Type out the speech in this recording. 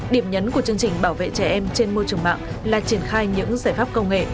điểm nhấn của chương trình bảo vệ trẻ em trên môi trường mạng là triển khai những giải pháp công nghệ